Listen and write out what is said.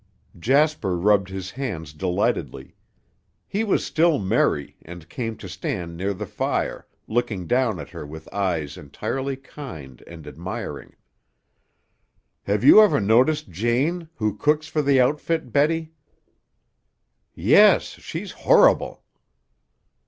Jasper rubbed his hands delightedly. He was still merry, and came to stand near the fire, looking down at her with eyes entirely kind and admiring. "Have you ever noticed Jane, who cooks for the outfit, Betty?" "Yes. She's horrible."